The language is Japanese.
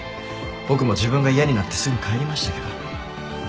僕も自分が嫌になってすぐ帰りましたけど。